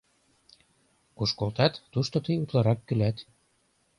Куш колтат — тушто тый утларак кӱлат.